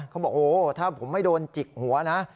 เขาบอกโอ้โหถ้าผมไม่โดนจิกหัวนะ